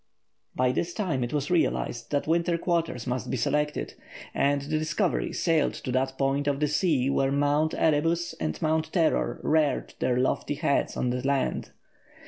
By this time it was realised that winter quarters must be selected, and the Discovery sailed to that part of the sea where Mount Erebus and Mount Terror reared their lofty heads on the land.